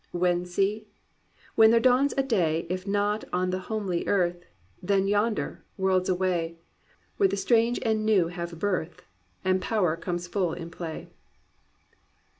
When see? When there dawns a day If not on the homely earth. Then yonder, worlds away, Where the strange and new have birth And Power comes full in play.'